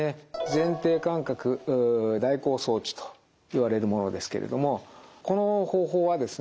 前庭感覚代行装置といわれるものですけれどもこの方法はですね